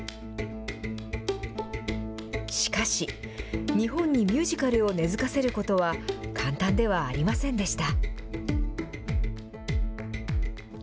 しかし、日本にミュージカルを根づかせることは簡単ではありませんでした。